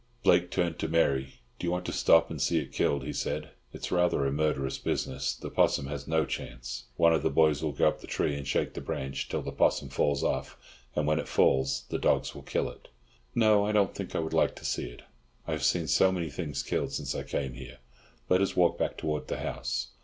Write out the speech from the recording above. Blake turned to Mary. "Do you want to stop and see it killed?" he said. "It's rather a murderous business. The 'possum has no chance. One of the boys will go up the tree and shake the branch till the 'possum falls off, and when it falls the dogs will kill it." "No, I don't think I would like to see it. I have seen so many things killed since I came here. Let us walk back towards the house."